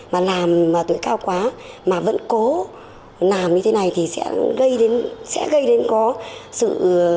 mà làm mà tuổi cao quá mà vẫn cố làm như thế này thì sẽ gây đến có sự